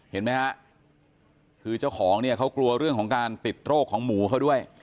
เห็นไหมฮะคือเจ้าของเนี่ยเขากลัวเรื่องของการติดโรคของหมูเขาด้วย